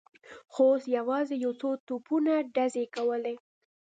خو اوس یوازې یو څو توپونو ډزې کولې.